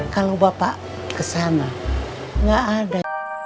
kalau bapak kesana nggak ada